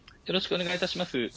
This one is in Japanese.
よろしくお願いします。